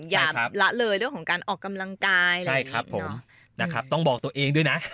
อย่าละเลยเรื่องของการออกกำลังกายเลยใช่ครับผมนะครับต้องบอกตัวเองด้วยนะ